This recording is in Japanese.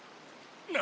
何？